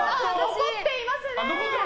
残っていますね。